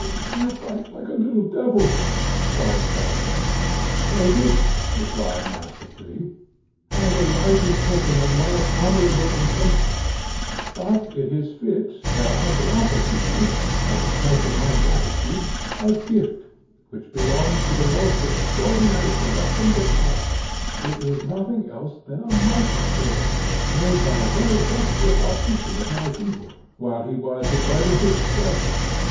"You bite like a little devil!" cried Peregrine. "Take it," replied Master Flea, "as a lively token of my honourable intentions. But it is fit that I should offer to you, as a pledge of my gratitude, a gift which belongs to the most extraordinary productions of art. It is nothing else than a microscope, made by a very dexterous optician of my people, while he was in Leuwenhock's service.